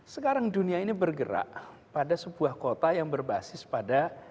sekarang dunia ini bergerak pada sebuah kota yang berbasis pada